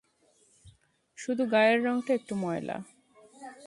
শুধু গায়ের রঙটা একটু ময়লা।